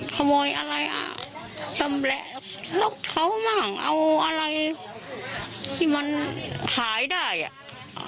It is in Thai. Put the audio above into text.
ขโมยอะไรอ่ะชำแหละรถเขามั่งเอาอะไรที่มันขายได้อ่ะ